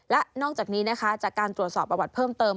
และนอกจากนี้นะคะจากการตรวจสอบประวัติเพิ่มเติม